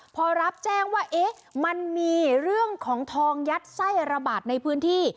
พอรับแจ้งว่าเอ๊ะมันมีเรื่องของทองยัดไส้ระบาดในพื้นที่